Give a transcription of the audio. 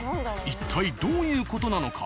一体どういう事なのか。